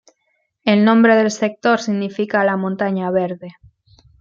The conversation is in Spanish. El nombre del sector significa "La montaña verde".